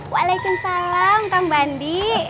waalaikumsalam kang bandi